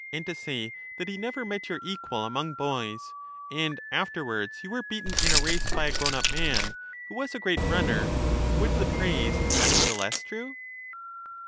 and to say that he never met your equal among boys, and sociut««, afterwards you were beaten in a race by a grown up man, Thbabtctus. who was a great runner— would the praise be any the less true?